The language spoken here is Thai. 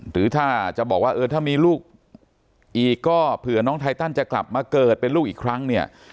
หรือถ้าจะบอกว่าเออถ้ามีลูกอีกก็เผื่อน้องไทตันจะกลับมาเกิดเป็นลูกอีกครั้งเนี่ย